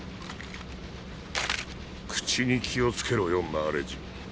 口に気をつけろよマーレ人。